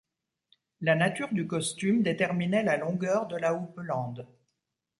La nature du costume déterminait la longueur de la houppelande.